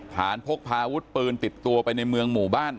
พกพาอาวุธปืนติดตัวไปในเมืองหมู่บ้าน